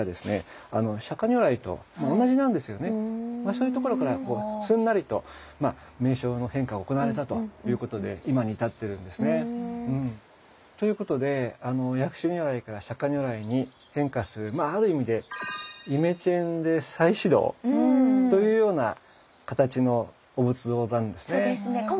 そういうところからすんなりと名称の変化が行われたということで今に至っているんですね。ということで薬師如来から釈如来に変化するまあある意味で「イメチェンで再始動」というような形のお仏像なんですね。